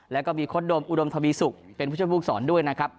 แล้วก็มีโค้ดโดมอุดมทวีสุกเป็นผู้ช่วยผู้สอนด้วยนะครับ